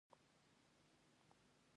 ما د جملو په اصلاح کې زړه ورک کړ.